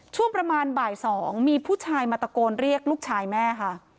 ช่วงประมาณบ่าย๒มีผู้ชายมาตะโกนเรียกลูกชายแม่ค่ะ